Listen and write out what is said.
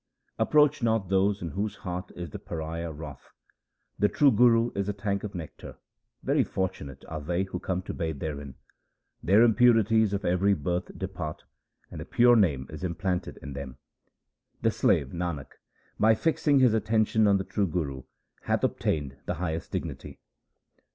Approach not those in whose hearts is the pariah wrath. The true Guru is a tank of nectar ; very fortunate are they who come to bathe therein. Their impurities of every birth depart, and the pure Name is implanted in them. The slave Nanak, by fixing his attention on the true Guru, hath obtained the highest dignity.